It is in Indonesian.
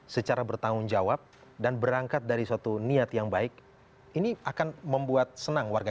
secara bertanggung jawab dan berangkat dari suatu niat yang baik ini akan membuat senang warga